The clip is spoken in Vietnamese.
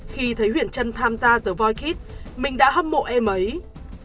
khi thấy huyền trân tham gia the voice kids mình đã bắt đầu tìm huyền trân